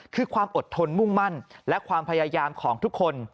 คือความอดทนมุ่งมั่นและความพยายามของทุกคน